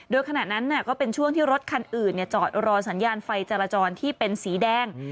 โดยขณะนั้นก็เป็นช่วงที่รถคันอื่นจอดรอสัญญาณไฟจรจรที่เป็นสีแดง